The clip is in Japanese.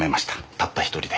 たった１人で。